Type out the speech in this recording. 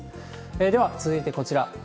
では、続いてこちら。